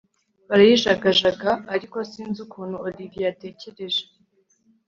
barayijagajaga ariko sinzi ukuntu Olivier yatekereje